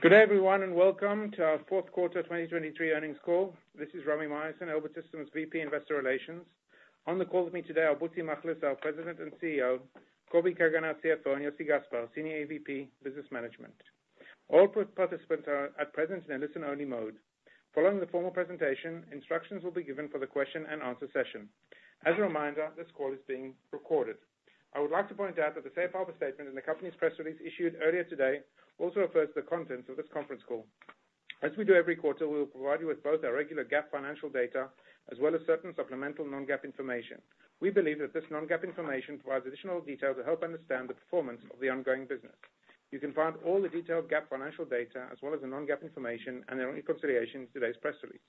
Good day everyone and welcome to our Fourth Quarter 2023 Earnings Call. This is Rami Myerson, Elbit Systems VP Investor Relations. On the call with me today are Butzi Machlis, our President and CEO, Kobi Kagan, CFO, and Yossi Gaspar, Senior EVP, Business Management. All participants are at present in a listen-only mode. Following the formal presentation, instructions will be given for the question-and-answer session. As a reminder, this call is being recorded. I would like to point out that the Safe Harbor Statement and the company's press release issued earlier today also refers to the contents of this conference call. As we do every quarter, we will provide you with both our regular GAAP financial data as well as certain supplemental non-GAAP information. We believe that this non-GAAP information provides additional detail to help understand the performance of the ongoing business. You can find all the detailed GAAP financial data as well as the non-GAAP information and their reconciliation in today's press release.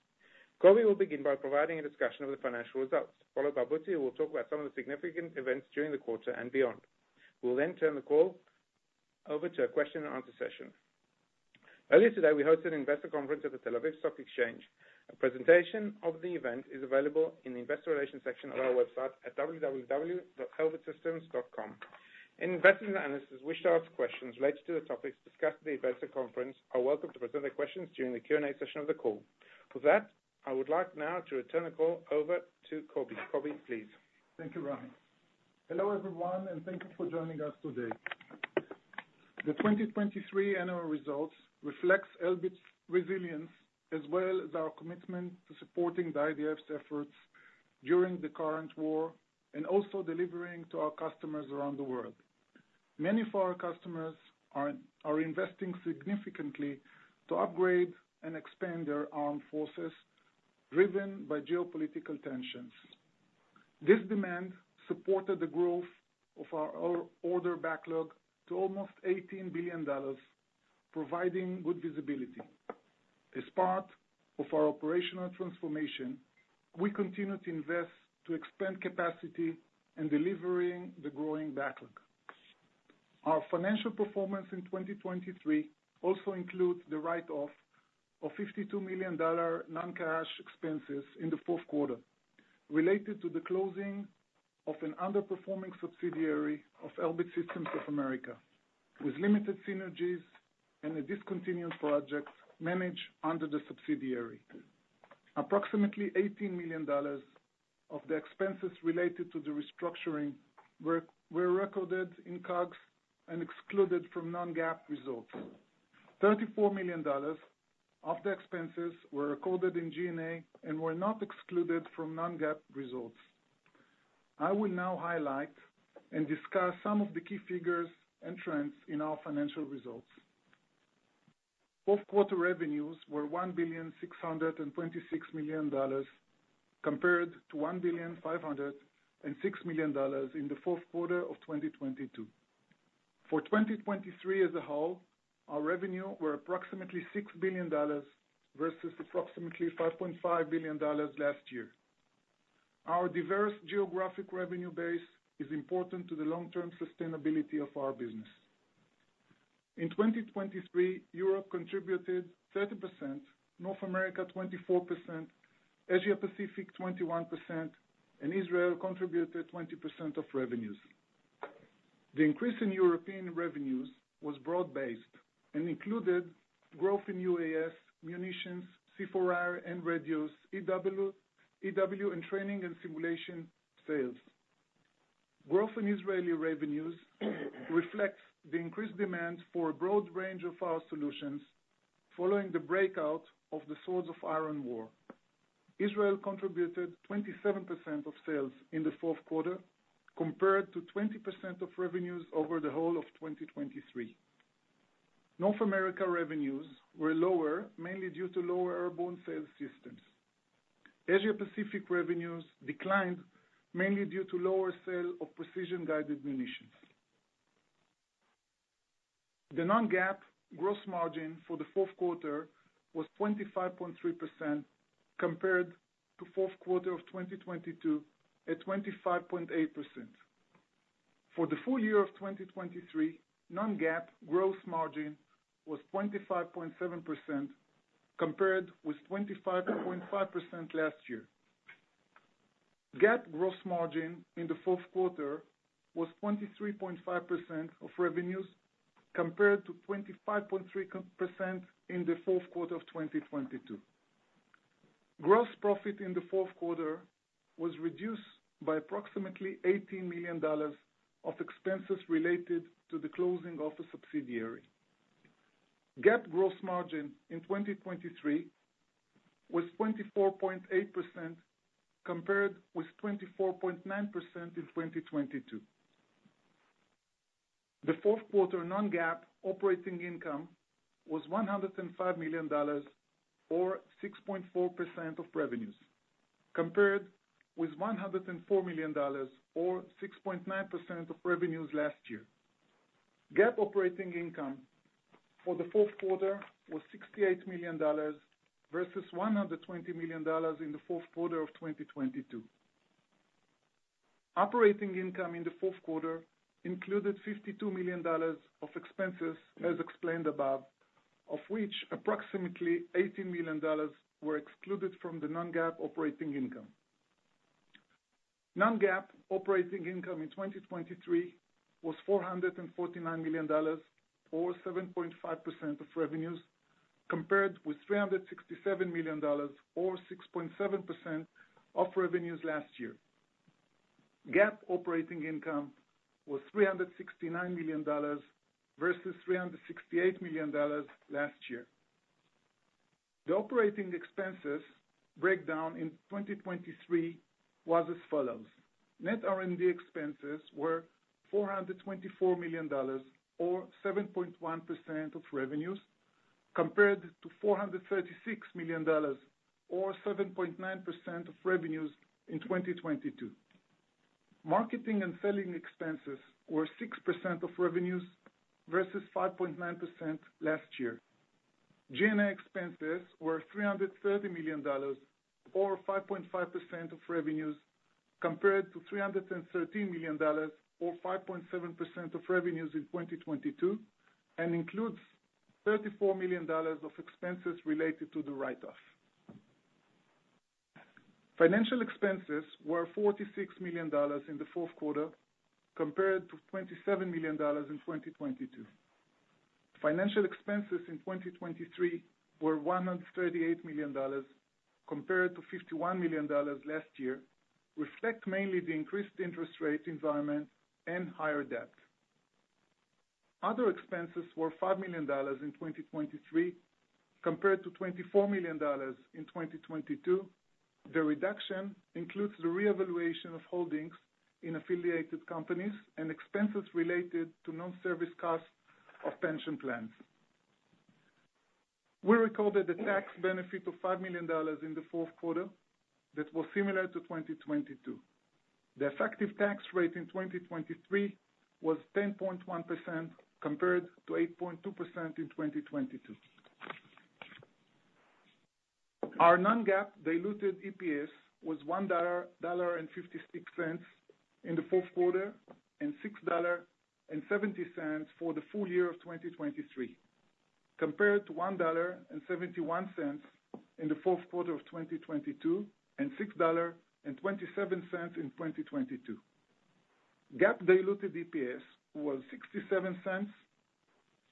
Kobi will begin by providing a discussion of the financial results, followed by Butzi who will talk about some of the significant events during the quarter and beyond. We will then turn the call over to a question-and-answer session. Earlier today, we hosted an investor conference at the Tel Aviv Stock Exchange. A presentation of the event is available in the investor relations section of our website at www.elbitsystems.com. Any investors and analysts who wish to ask questions related to the topics discussed at the events at conference are welcome to present their questions during the Q&A session of the call. With that, I would like now to return the call over to Kobi. Kobi, please. Thank you, Rami. Hello everyone and thank you for joining us today. The 2023 annual results reflect Elbit's resilience as well as our commitment to supporting the IDF's efforts during the current war and also delivering to our customers around the world. Many of our customers are investing significantly to upgrade and expand their armed forces driven by geopolitical tensions. This demand supported the growth of our order backlog to almost $18 billion, providing good visibility. As part of our operational transformation, we continue to invest to expand capacity and delivering the growing backlog. Our financial performance in 2023 also includes the write-off of $52 million non-cash expenses in the fourth quarter related to the closing of an underperforming subsidiary of Elbit Systems of America with limited synergies and a discontinued project managed under the subsidiary. Approximately $18 million of the expenses related to the restructuring were recorded in COGS and excluded from non-GAAP results. $34 million of the expenses were recorded in G&A and were not excluded from non-GAAP results. I will now highlight and discuss some of the key figures and trends in our financial results. Fourth quarter revenues were $1,626 million compared to $1,506 million in the fourth quarter of 2022. For 2023 as a whole, our revenue were approximately $6 billion versus approximately $5.5 billion last year. Our diverse geographic revenue base is important to the long-term sustainability of our business. In 2023, Europe contributed 30%, North America 24%, Asia-Pacific 21%, and Israel contributed 20% of revenues. The increase in European revenues was broad-based and included growth in UAS munitions, C4I and radios, EW, and training and simulation sales. Growth in Israeli revenues reflects the increased demand for a broad range of our solutions following the breakout of the Swords of Iron War. Israel contributed 27% of sales in the fourth quarter compared to 20% of revenues over the whole of 2023. North America revenues were lower mainly due to lower Airborne systems sales. Asia-Pacific revenues declined mainly due to lower sale of precision-guided munitions. The non-GAAP gross margin for the fourth quarter was 25.3% compared to fourth quarter of 2022 at 25.8%. For the full year of 2023, non-GAAP gross margin was 25.7% compared with 25.5% last year. GAAP gross margin in the fourth quarter was 23.5% of revenues compared to 25.3% in the fourth quarter of 2022. Gross profit in the fourth quarter was reduced by approximately $18 million of expenses related to the closing of a subsidiary. GAAP gross margin in 2023 was 24.8% compared with 24.9% in 2022. The fourth quarter non-GAAP operating income was $105 million or 6.4% of revenues compared with $104 million or 6.9% of revenues last year. GAAP operating income for the fourth quarter was $68 million versus $120 million in the fourth quarter of 2022. Operating income in the fourth quarter included $52 million of expenses as explained above, of which approximately $18 million were excluded from the non-GAAP operating income. Non-GAAP operating income in 2023 was $449 million or 7.5% of revenues compared with $367 million or 6.7% of revenues last year. GAAP operating income was $369 million versus $368 million last year. The operating expenses breakdown in 2023 was as follows. Net R&D expenses were $424 million or 7.1% of revenues compared to $436 million or 7.9% of revenues in 2022. Marketing and selling expenses were 6% of revenues versus 5.9% last year. G&A expenses were $330 million or 5.5% of revenues compared to $313 million or 5.7% of revenues in 2022 and includes $34 million of expenses related to the write-off. Financial expenses were $46 million in the fourth quarter compared to $27 million in 2022. Financial expenses in 2023 were $138 million compared to $51 million last year, reflect mainly the increased interest rate environment and higher debt. Other expenses were $5 million in 2023 compared to $24 million in 2022. The reduction includes the reevaluation of holdings in affiliated companies and expenses related to non-service costs of pension plans. We recorded a tax benefit of $5 million in the fourth quarter that was similar to 2022. The effective tax rate in 2023 was 10.1% compared to 8.2% in 2022. Our non-GAAP diluted EPS was $1.56 in the fourth quarter and $6.70 for the full year of 2023 compared to $1.71 in the fourth quarter of 2022 and $6.27 in 2022. GAAP diluted EPS was $0.67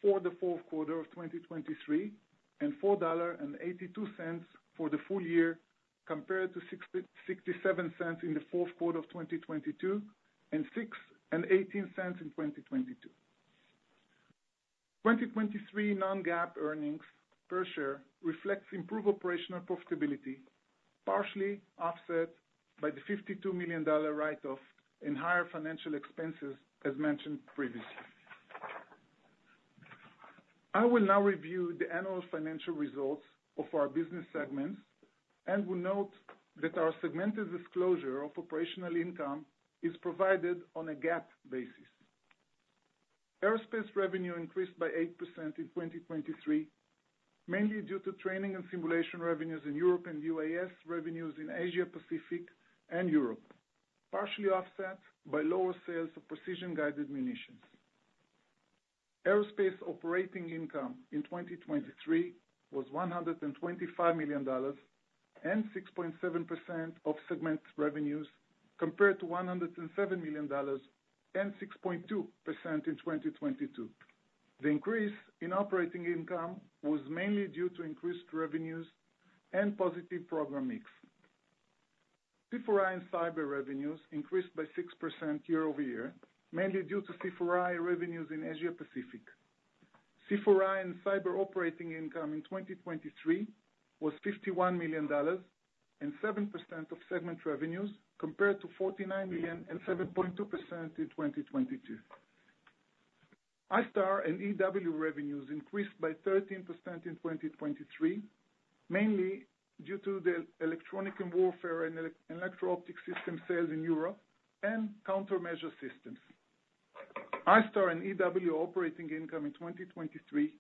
for the fourth quarter of 2023 and $4.82 for the full year compared to $0.67 in the fourth quarter of 2022 and $6.18 in 2022. 2023 non-GAAP earnings per share reflects improved operational profitability partially offset by the $52 million write-off and higher financial expenses as mentioned previously. I will now review the annual financial results of our business segments and will note that our segmented disclosure of operational income is provided on a GAAP basis. Aerospace revenue increased by 8% in 2023 mainly due to training and simulation revenues in Europe and USA revenues in Asia-Pacific and Europe, partially offset by lower sales of precision-guided munitions. Aerospace operating income in 2023 was $125 million and 6.7% of segment revenues compared to $107 million and 6.2% in 2022. The increase in operating income was mainly due to increased revenues and positive program mix. C4I and cyber revenues increased by 6% year-over-year mainly due to C4I revenues in Asia-Pacific. C4I and cyber operating income in 2023 was $51 million and 7% of segment revenues compared to $49 million and 7.2% in 2022. ISTAR and EW revenues increased by 13% in 2023 mainly due to electronic warfare and electro-optic system sales in Europe and countermeasure systems. ISTAR and EW operating income in 2023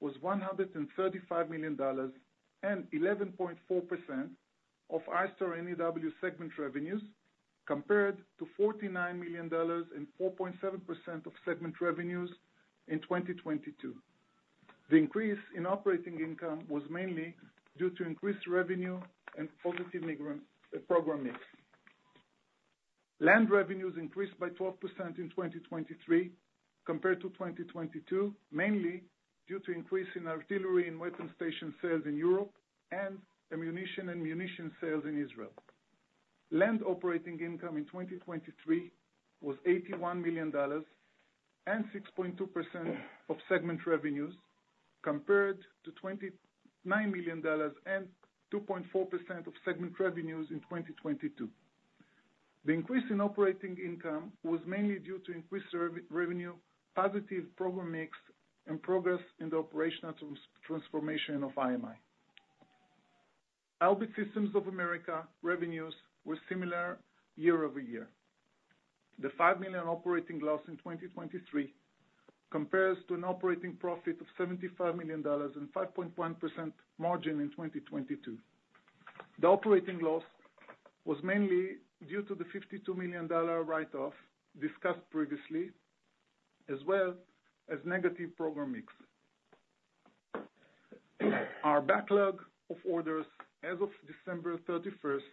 was $135 million and 11.4% of ISTAR and EW segment revenues compared to $49 million and 4.7% of segment revenues in 2022. The increase in operating income was mainly due to increased revenue and positive program mix. Land revenues increased by 12% in 2023 compared to 2022 mainly due to increase in artillery and weapons station sales in Europe and ammunition and munition sales in Israel. Land operating income in 2023 was $81 million and 6.2% of segment revenues compared to $29 million and 2.4% of segment revenues in 2022. The increase in operating income was mainly due to increased revenue, positive program mix, and progress in the operational transformation of IMI. Elbit Systems of America revenues were similar year-over-year. The $5 million operating loss in 2023 compares to an operating profit of $75 million and 5.1% margin in 2022. The operating loss was mainly due to the $52 million write-off discussed previously as well as negative program mix. Our backlog of orders as of December 31st,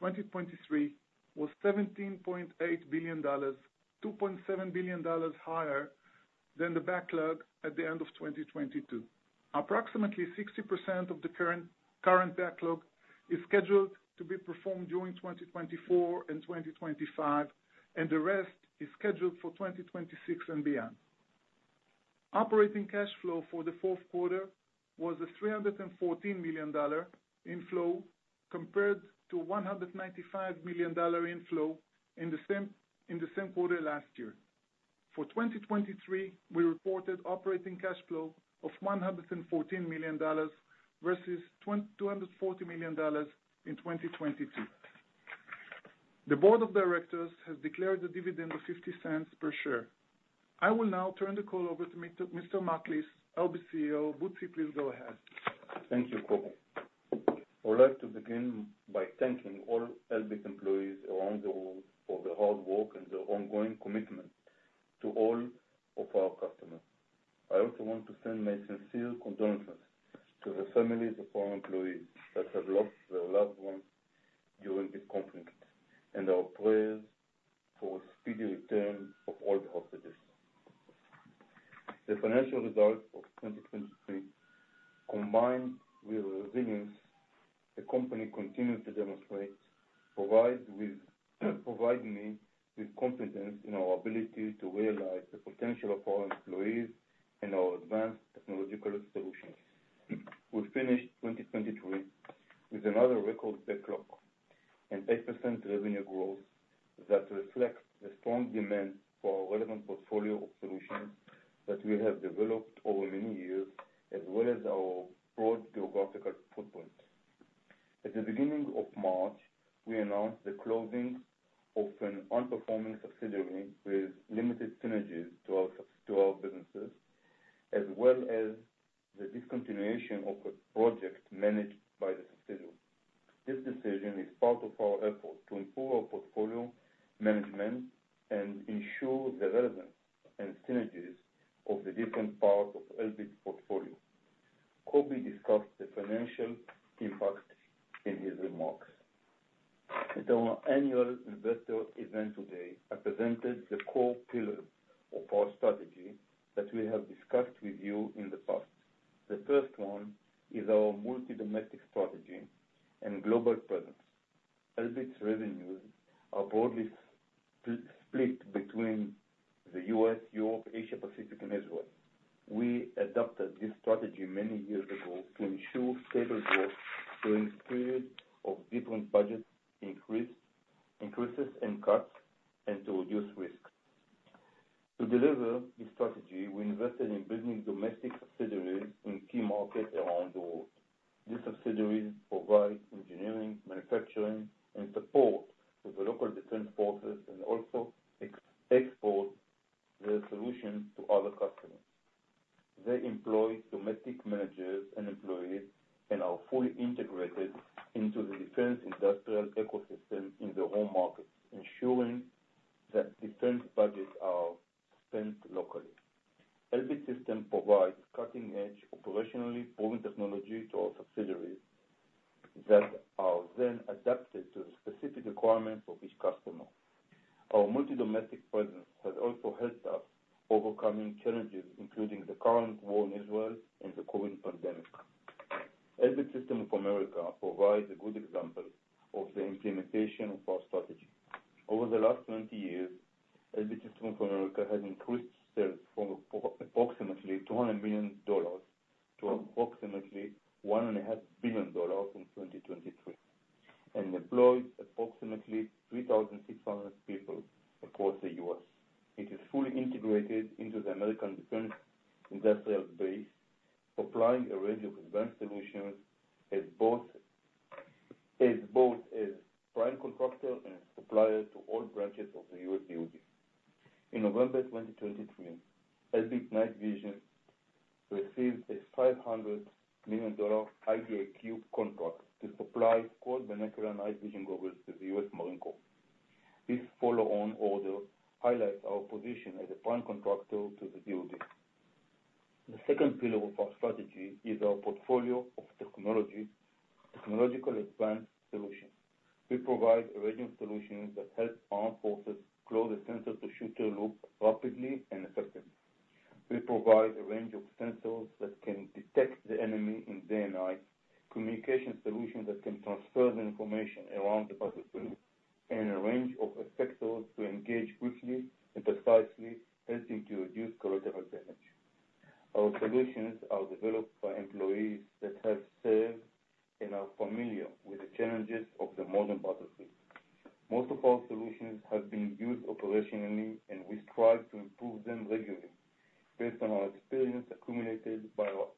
2023, was $17.8 billion, $2.7 billion higher than the backlog at the end of 2022. Approximately 60% of the current backlog is scheduled to be performed during 2024 and 2025, and the rest is scheduled for 2026 and beyond. Operating cash flow for the fourth quarter was a $314 million inflow compared to $195 million inflow in the same quarter last year. For 2023, we reported operating cash flow of $114 million versus $240 million in 2022. The board of directors has declared a dividend of $0.50 per share. I will now turn the call over to Mr. Machlis, Elbit CEO. Butzi, please go ahead. Thank you, Kobi. I would like to begin by thanking all Elbit employees around the world for the hard work and the ongoing commitment to all of our customers. I also want to send my sincere condolences to the families of our employees that have lost their loved ones during this conflict and our prayers for a speedy return of all the hostages. The financial results of 2023, combined with revenues the company continues to demonstrate, provide me with confidence in our ability to realize the potential of our employees and our advanced technological solutions. We finished 2023 with another record backlog and 8% revenue growth that reflects the strong demand for our relevant portfolio of solutions that we have developed over many years as well as our broad geographical footprint. At the beginning of March, we announced the closing of an unperforming subsidiary with limited synergies to our businesses as well as the discontinuation of a project managed by the subsidiary. This decision is part of our effort to improve our portfolio management and ensure the relevance and synergies of the different parts of Elbit's portfolio. Kobi discussed the financial impact in his remarks. At our annual investor event today, I presented the core pillars of our strategy that we have discussed with you in the past. The first one is our multi-domestic strategy and global presence. Elbit's revenues are broadly split between the U.S., Europe, Asia-Pacific, and Israel. We adopted this strategy many years ago to ensure stable growth during periods of different budget increases and cuts and to reduce risk. To deliver this strategy, we invested in building domestic subsidiaries in key markets around the world. These subsidiaries provide engineering, manufacturing, and support to the local defense forces and also export their solutions to other customers. They employ domestic managers and employees and are fully integrated into the defense industrial ecosystem in their home markets, ensuring that defense budgets are spent locally. Elbit Systems provides cutting-edge operationally proven technology to our subsidiaries that are then adapted to the specific requirements of each customer. Our multi-domestic presence has also helped us overcoming challenges including the current war in Israel and the COVID pandemic. Elbit Systems of America provides a good example of the implementation of our strategy. Over the last 20 years, Elbit Systems of America has increased sales from approximately $200 million to approximately $1.5 billion in 2023 and employs approximately 3,600 people across the U.S.. It is fully integrated into the American defense industrial base, supplying a range of advanced solutions as both a prime contractor and a supplier to all branches of the U.S. DoD. In November 2023, Elbit Night Vision received a $500 million IDIQ contract to supply Squad Binocular Night Vision Goggles to the U.S. Marine Corps. This follow-on order highlights our position as a prime contractor to the DoD. The second pillar of our strategy is our portfolio of technological advanced solutions. We provide a range of solutions that help armed forces close a sensor to shooter loop rapidly and effectively. We provide a range of sensors that can detect the enemy in day and night, communication solutions that can transfer the information around the battlefield, and a range of effectors to engage quickly and precisely, helping to reduce collateral damage. Our solutions are developed by employees that have served and are familiar with the challenges of the modern battlefield. Most of our solutions have been used operationally, and we strive to improve them regularly based on our experience accumulated by our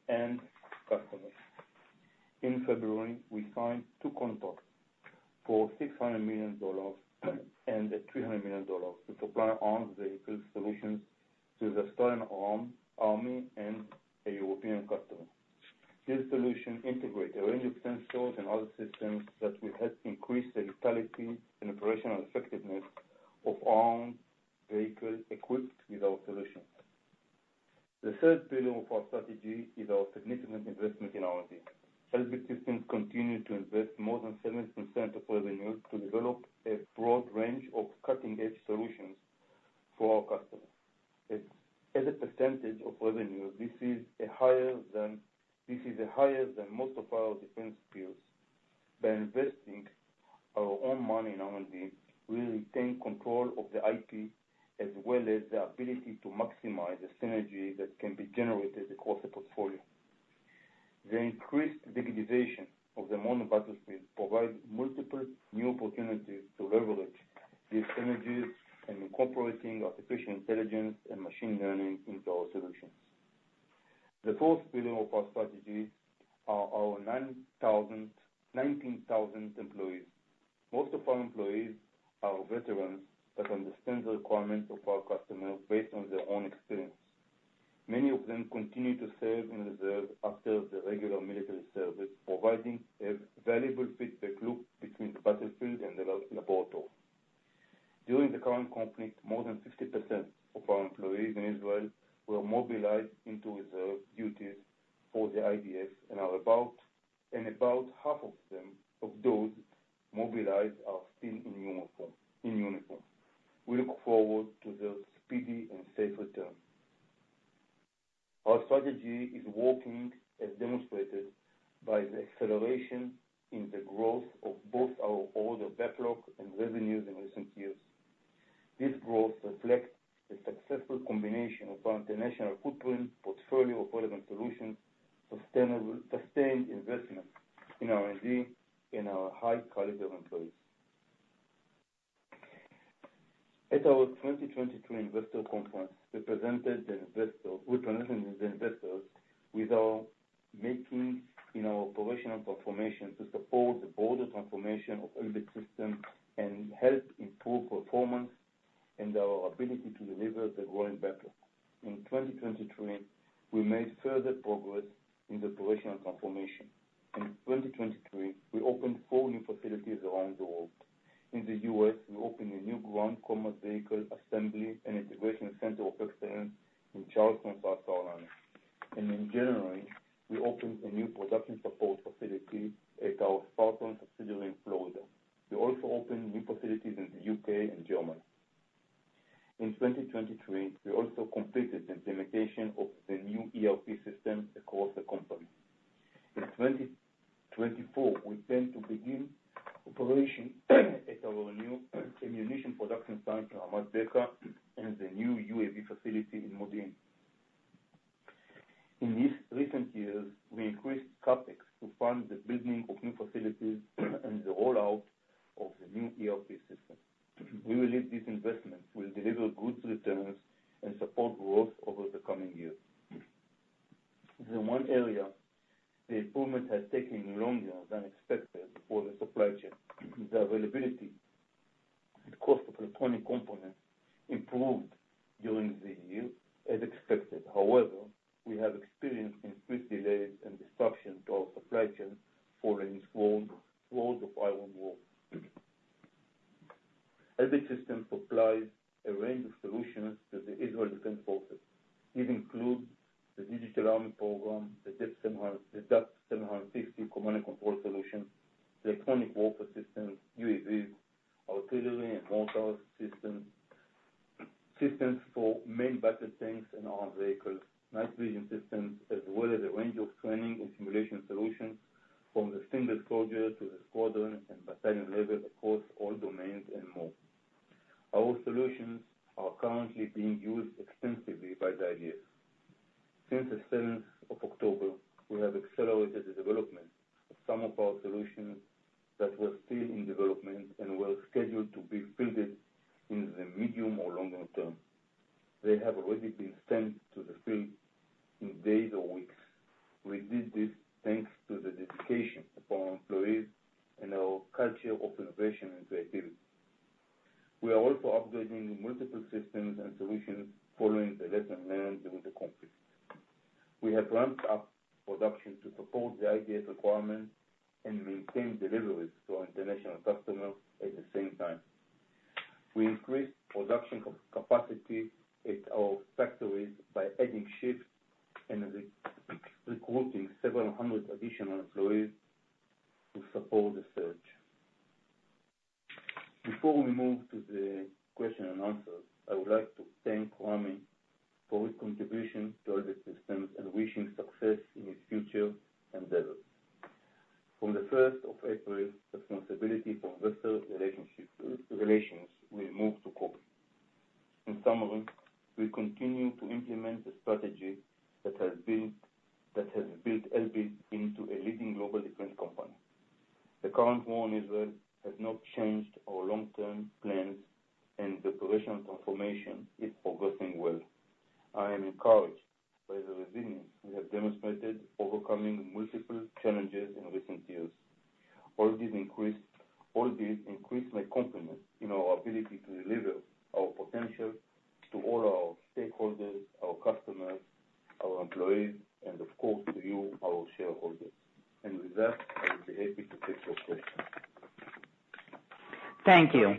end customers. In February, we signed two contracts for $600 million and $300 million to supply armed vehicle solutions to We are also upgrading multiple systems and solutions following the lessons learned during the conflict. We have ramped up production to support the IDF requirements and maintain deliveries to our international customers at the same time. We increased production capacity at our factories by adding shifts and recruiting 700 additional employees to support the surge. Before we move to the question and answers, I would like to thank Rami for his contribution to Elbit Systems and wishing success in his future endeavors. From the 1st of April, responsibility for investor relations will move to Kobi. In summary, we continue to implement the strategy that has built Elbit into a leading global defense company. The current war in Israel has not changed our long-term plans, and the operational transformation is progressing well. I am encouraged by the resilience we have demonstrated overcoming multiple challenges in recent years. All these increase my confidence in our ability to deliver our potential to all our stakeholders, our customers, our employees, and of course, to you, our shareholders. And with that, I would be happy to take your questions. Thank you.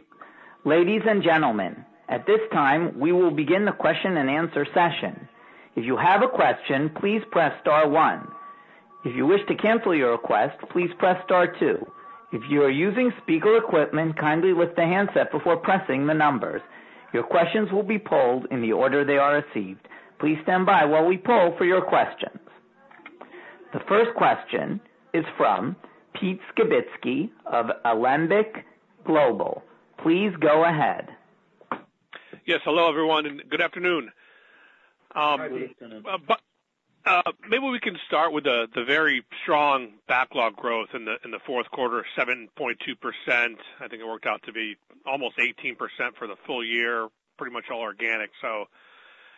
Ladies and gentlemen, at this time, we will begin the question and answer session. If you have a question, please press star one. If you wish to cancel your request, please press star two. If you are using speaker equipment, kindly lift the handset before pressing the numbers. Your questions will be polled in the order they are received. Please stand by while we poll for your questions. The first question is from Peter Skibitski of Alembic Global Advisors. Please go ahead. Yes. Hello, everyone, and good afternoon. Hi, Peter Skibitski. Maybe we can start with the very strong backlog growth in the fourth quarter, 7.2%. I think it worked out to be almost 18% for the full year, pretty much all organic. So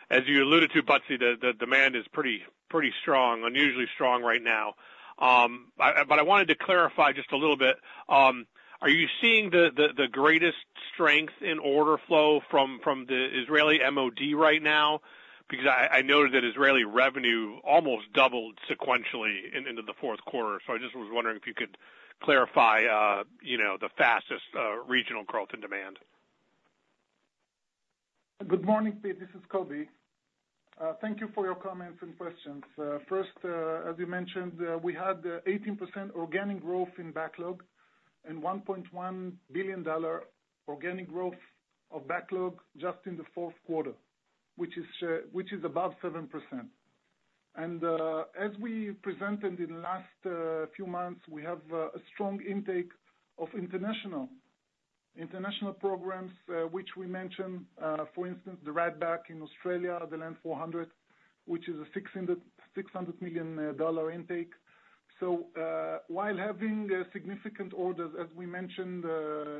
as you alluded to, Butzi, the demand is pretty strong, unusually strong right now. But I wanted to clarify just a little bit. Are you seeing the greatest strength in order flow from the Israeli MOD right now? Because I noted that Israeli revenue almost doubled sequentially into the fourth quarter. So I just was wondering if you could clarify the fastest regional growth in demand. Good morning, Pete. This is Kobi. Thank you for your comments and questions. First, as you mentioned, we had 18% organic growth in backlog and $1.1 billion organic growth of backlog just in the fourth quarter, which is above 7%. And as we presented in the last few months, we have a strong intake of international programs, which we mentioned. For instance, the Redback in Australia, the Land 400, which is a $600 million intake. So while having significant orders, as we mentioned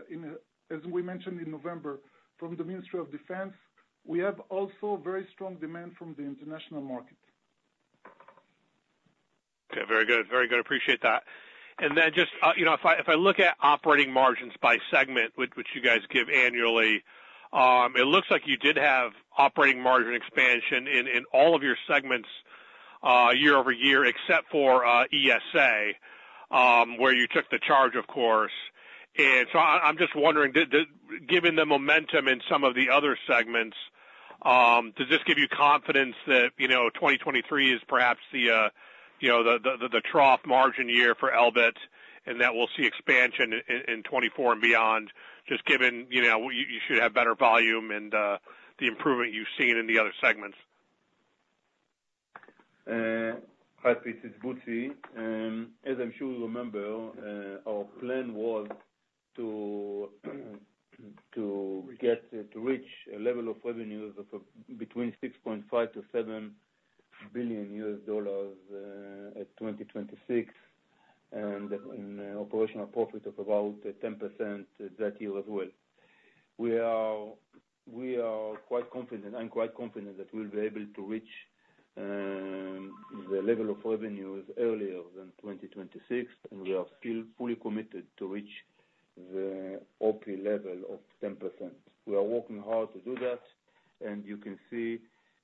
in November from the Ministry of Defense, we have also very strong demand from the international market. Okay. Very good. Very good. Appreciate that. And then just if I look at operating margins by segment, which you guys give annually, it looks like you did have operating margin expansion in all of your segments year-over-year, except for ESA, where you took the charge, of course. And so I'm just wondering, given the momentum in some of the other segments, does this give you confidence that 2023 is perhaps the trough margin year for Elbit and that we'll see expansion in 2024 and beyond, just given you should have better volume and the improvement you've seen in the other segments? Hi, Peter, it's Butzi. As I'm sure you remember, our plan was to reach a level of revenues between $6.5 billion-$7 billion at 2026 and an operational profit of about 10% that year as well. We are quite confident. I'm quite confident that we'll be able to reach the level of revenues earlier than 2026, and we are still fully committed to reach the OP level of 10%. We are working hard to do that, and you can see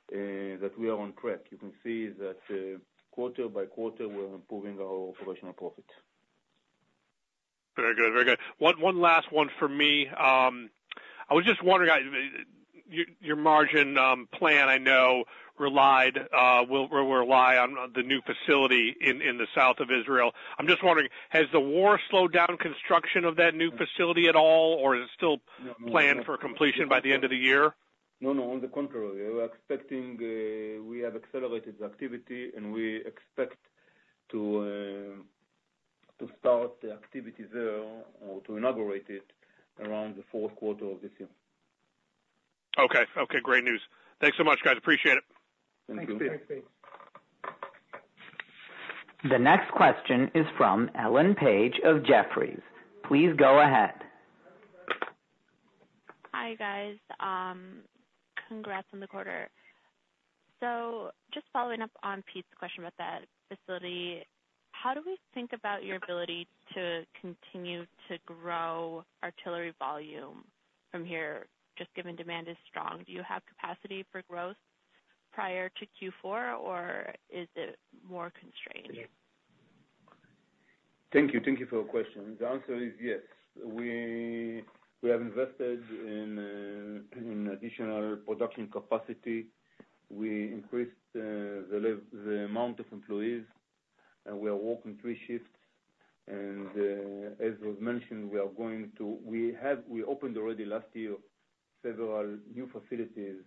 that we are on track. You can see that quarter by quarter, we're improving our operational profit. Very good. Very good. One last one for me. I was just wondering, your margin plan, I know, relied or will rely on the new facility in the south of Israel. I'm just wondering, has the war slowed down construction of that new facility at all, or is it still planned for completion by the end of the year? No, no. On the contrary. We have accelerated the activity, and we expect to start the activity there or to inaugurate it around the fourth quarter of this year. Okay. Okay. Great news. Thanks so much, guys. Appreciate it. Thank you. Thanks, Pete. The next question is from Sheila Kahyaoglu of Jefferies. Please go ahead. Hi, guys. Congrats on the quarter. So just following up on Pete's question about that facility, how do we think about your ability to continue to grow artillery volume from here, just given demand is strong? Do you have capacity for growth prior to Q4, or is it more constrained? Thank you. Thank you for your question. The answer is yes. We have invested in additional production capacity. We increased the amount of employees, and we are working three shifts. As was mentioned, we opened already last year several new facilities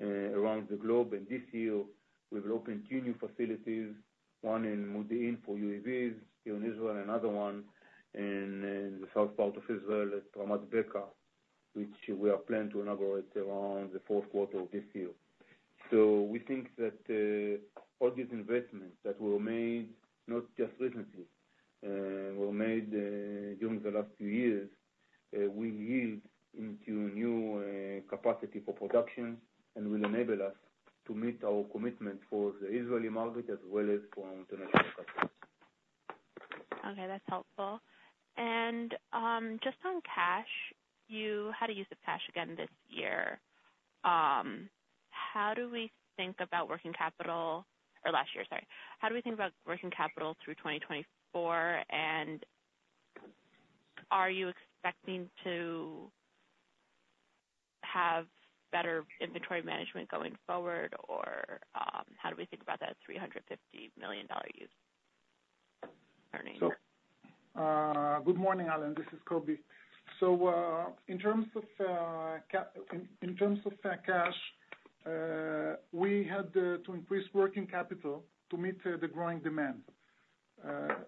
around the globe. This year, we will open two new facilities, one in Modi'in for UAVs here in Israel and another one in the south part of Israel at Ramat Beka, which we are planning to inaugurate around the fourth quarter of this year. So we think that all these investments that were made, not just recently, were made during the last few years, will yield into new capacity for production and will enable us to meet our commitments for the Israeli market as well as for international customers. Okay. That's helpful. And just on cash, how do you use the cash again this year? How do we think about working capital or last year, sorry. How do we think about working capital through 2024? And are you expecting to have better inventory management going forward, or how do we think about that $350 million use earnings? Good morning, Kahyaoglu. This is Kobi. So in terms of cash, we had to increase working capital to meet the growing demand.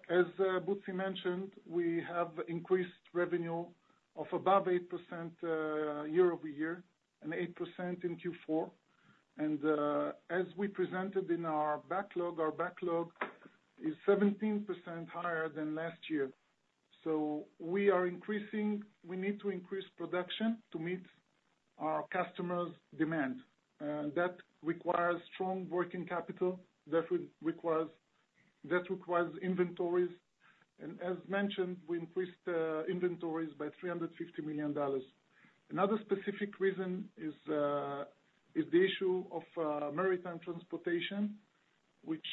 As Butzi mentioned, we have increased revenue of above 8% year-over-year and 8% in Q4. And as we presented in our backlog, our backlog is 17% higher than last year. So we need to increase production to meet our customers' demand. That requires strong working capital. That requires inventories. And as mentioned, we increased inventories by $350 million. Another specific reason is the issue of maritime transportation, which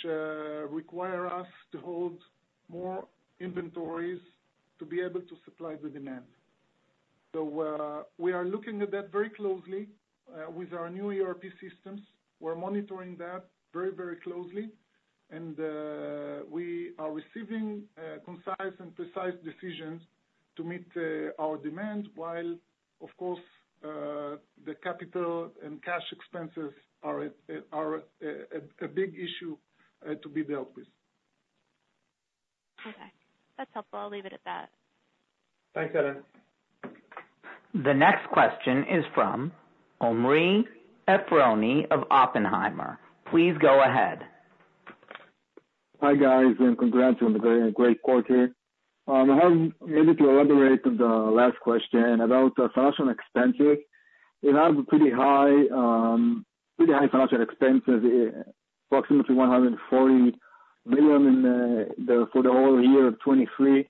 requires us to hold more inventories to be able to supply the demand. So we are looking at that very closely with our new ERP systems. We're monitoring that very, very closely. We are receiving concise and precise decisions to meet our demand while, of course, the capital and cash expenses are a big issue to be dealt with. Okay. That's helpful. I'll leave it at that. Thanks, Kahyaoglu. The next question is from Omri Efroni of Oppenheimer. Please go ahead. Hi, guys, and congrats on the great quarter. I have maybe to elaborate on the last question about financial expenses. We have pretty high financial expenses, approximately $140 million for the whole year of 2023.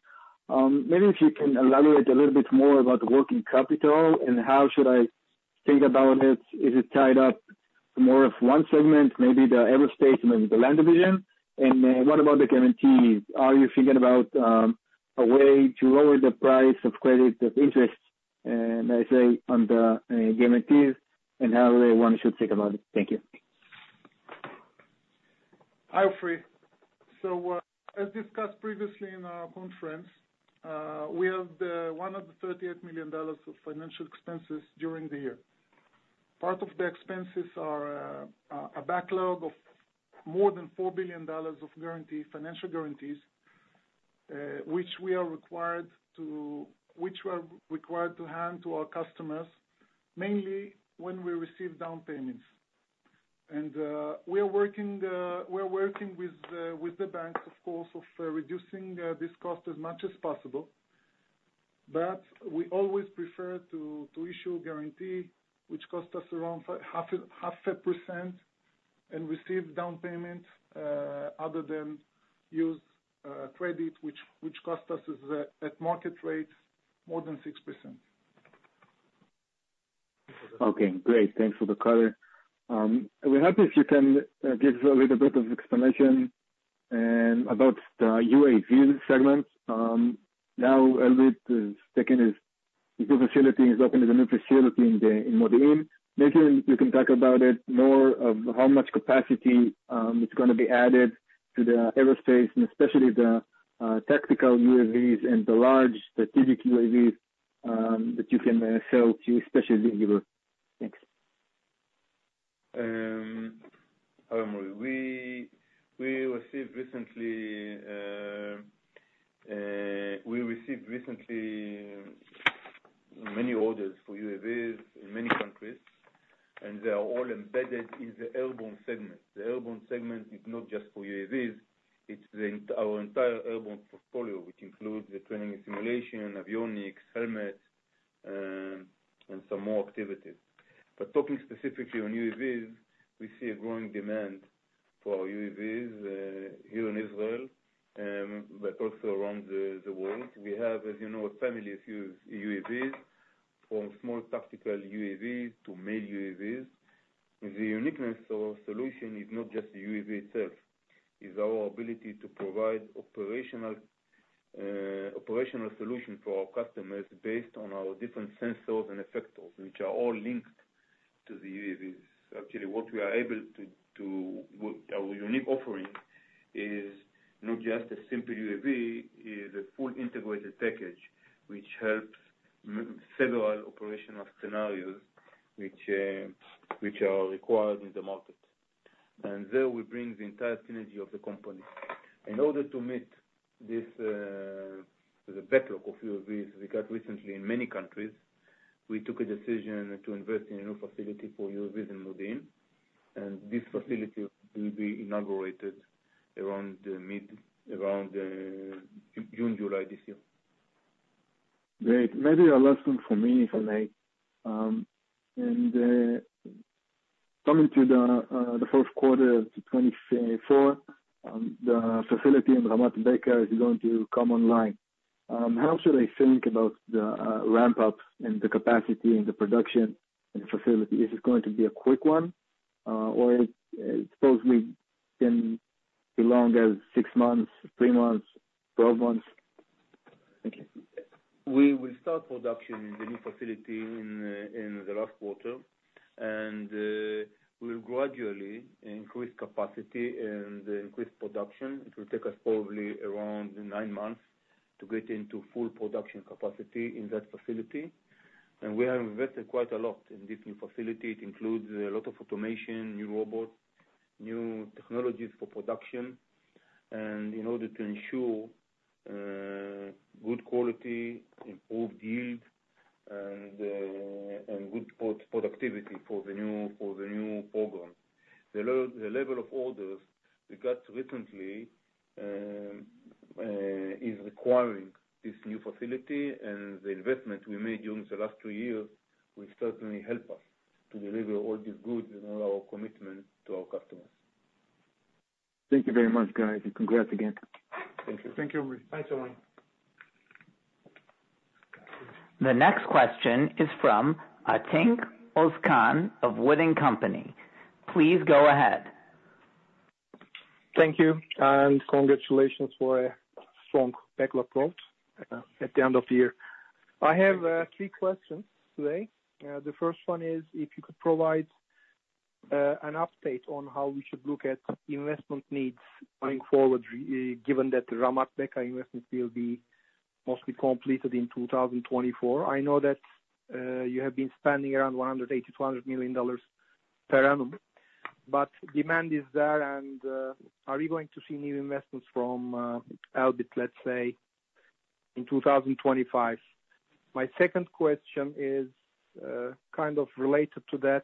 Maybe if you can elaborate a little bit more about the working capital and how should I think about it? Is it tied up more of one segment, maybe the Aerospace, maybe the Land Division? And what about the guarantees? Are you thinking about a way to lower the price of credit of interest, as I say, on the guarantees and how one should think about it? Thank you. Hi, Efroni. As discussed previously in our conference, we have $138 million of financial expenses during the year. Part of the expenses are a backlog of more than $4 billion of financial guarantees, which we are required to hand to our customers, mainly when we receive down payments. We are working with the banks, of course, to reduce this cost as much as possible. But we always prefer to issue a guarantee, which costs us around 0.5%, and receive down payments rather than use credit, which costs us at market rates more than 6%. Okay. Great. Thanks for the cover. I would be happy if you can give a little bit of explanation about the UAV segment. Now, Elbit is taking his new facility. He's opening a new facility in Modi'in. Maybe you can talk about it, more of how much capacity is going to be added to the Aerospace, and especially the tactical UAVs and the large strategic UAVs that you can sell to, especially in Europe. Thanks. Hi, Omri. We received recently many orders for UAVs in many countries, and they are all embedded in the airborne segment. The airborne segment is not just for UAVs. It's our entire airborne portfolio, which includes the training and simulation, avionics, helmets, and some more activities. But talking specifically on UAVs, we see a growing demand for our UAVs here in Israel, but also around the world. We have, as you know, a family of UAVs, from small tactical UAVs to MALE UAVs. The uniqueness of our solution is not just the UAV itself. It's our ability to provide operational solutions for our customers based on our different sensors and effectors, which are all linked to the UAVs. Actually, what we are able to our unique offering is not just a simple UAV. It's a full integrated package, which helps several operational scenarios, which are required in the market. There we bring the entire synergy of the company. In order to meet the backlog of UAVs we got recently in many countries, we took a decision to invest in a new facility for UAVs in Modi'in. This facility will be inaugurated around June, July this year. Great. Maybe a last one for me, if I may. And coming to the first quarter of 2024, the facility in Ramat Beka is going to come online. How should I think about the ramp-ups and the capacity and the production in the facility? Is this going to be a quick one, or supposedly it can be long as six months, three months, 12 months? Thank you. We will start production in the new facility in the last quarter, and we'll gradually increase capacity and increase production. It will take us probably around nine months to get into full production capacity in that facility. We have invested quite a lot in this new facility. It includes a lot of automation, new robots, new technologies for production. In order to ensure good quality, improved yield, and good productivity for the new program, the level of orders we got recently is requiring this new facility, and the investment we made during the last two years will certainly help us to deliver all these goods and all our commitment to our customers. Thank you very much, guys, and congrats again. Thank you. Thank you, Omri. Thanks, Omri. The next question is from Atınç Özkan of Wood & Company. Please go ahead. Thank you, and congratulations for a strong backlog growth at the end of the year. I have three questions today. The first one is if you could provide an update on how we should look at investment needs going forward, given that the Ramat Beka investment will be mostly completed in 2024. I know that you have been spending around $100 million-$180 million per annum, but demand is there. Are we going to see new investments from Elbit, let's say, in 2025? My second question is kind of related to that.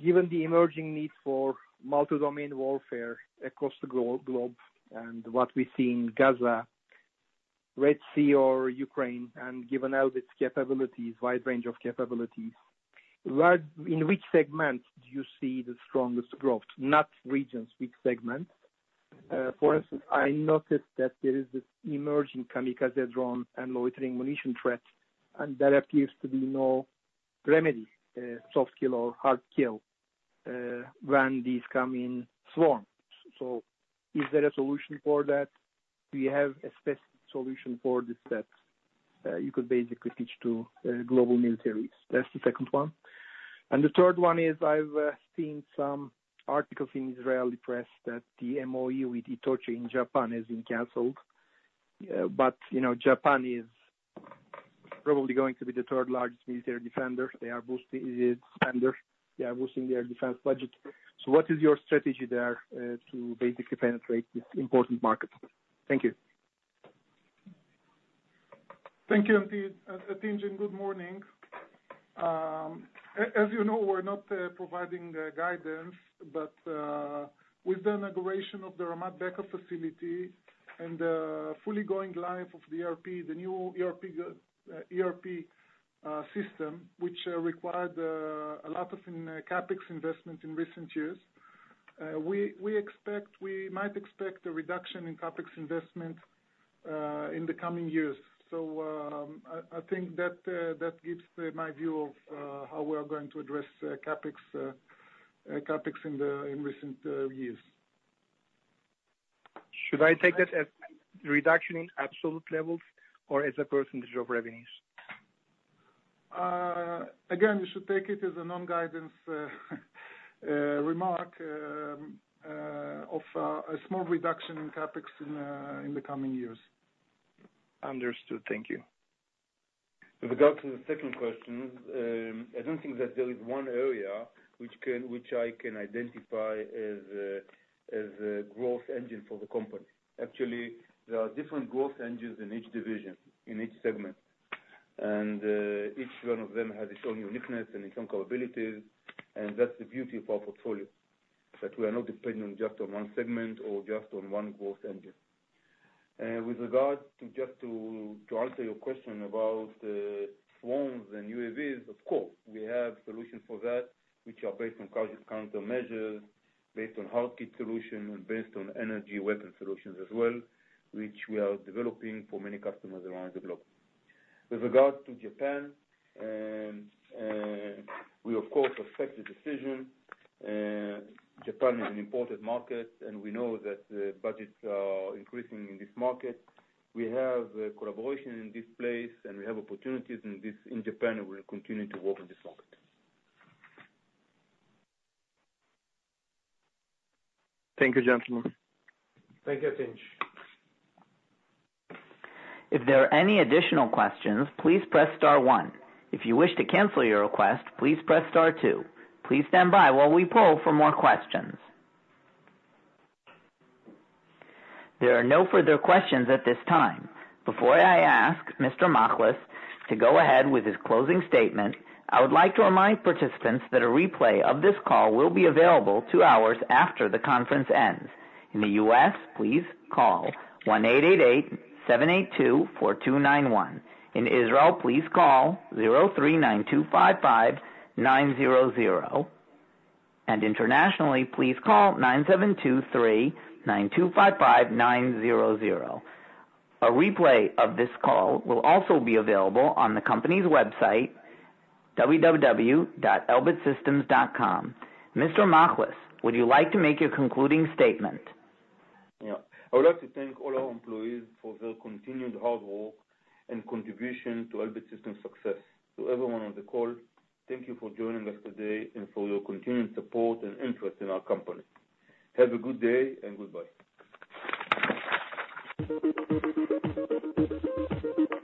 Given the emerging need for multi-domain warfare across the globe and what we see in Gaza, Red Sea, or Ukraine, and given Elbit's capabilities, wide range of capabilities, in which segment do you see the strongest growth? Not regions, which segments. For instance, I noticed that there is this emerging Kamikaze drone and loitering munition threat, and there appears to be no remedy, soft kill or hard kill, when these come in swarm. So is there a solution for that? Do you have a specific solution for this that you could basically pitch to global militaries? That's the second one. And the third one is I've seen some articles in the Israeli press that the MOU with Itochu in Japan has been canceled. But Japan is probably going to be the third largest military defender. They are boosting their defense budget. So what is your strategy there to basically penetrate this important market? Thank you. Thank you, Atınç. And good morning. As you know, we're not providing guidance, but with the inauguration of the Ramat Beka facility and the fully going live of the ERP, the new ERP system, which required a lot of CapEx investment in recent years, we might expect a reduction in CapEx investment in the coming years. So I think that gives my view of how we are going to address CapEx in recent years. Should I take that as reduction in absolute levels or as a percentage of revenues? Again, you should take it as a non-guidance remark of a small reduction in CapEx in the coming years. Understood. Thank you. If we go to the second question, I don't think that there is one area which I can identify as a growth engine for the company. Actually, there are different growth engines in each division, in each segment. Each one of them has its own uniqueness and its own capabilities. That's the beauty of our portfolio, that we are not dependent just on one segment or just on one growth engine. With regard to just to answer your question about swarms and UAVs, of course, we have solutions for that, which are based on countermeasures, based on hard kill solutions, and based on energy weapon solutions as well, which we are developing for many customers around the globe. With regard to Japan, we, of course, expect the decision. Japan is an important market, and we know that the budgets are increasing in this market. We have collaboration in this place, and we have opportunities in Japan. We will continue to work in this market. Thank you, gentlemen. Thank you, Atınç. If there are any additional questions, please press star one. If you wish to cancel your request, please press star two. Please stand by while we pull for more questions. There are no further questions at this time. Before I ask Mr. Machlis to go ahead with his closing statement, I would like to remind participants that a replay of this call will be available two hours after the conference ends. In the U.S., please call 1-888-782-4291. In Israel, please call 03-9255-900. And internationally, please call 972-3-9255-900. A replay of this call will also be available on the company's website, www.elbitsystems.com. Mr. Machlis, would you like to make your concluding statement? I would like to thank all our employees for their continued hard work and contribution to Elbit Systems' success. To everyone on the call, thank you for joining us today and for your continued support and interest in our company. Have a good day and goodbye.